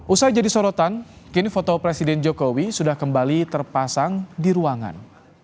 usai jadi sorotan kini foto presiden jokowi sudah kembali terpasang di ruangan